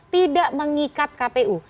tidak mengikat kpu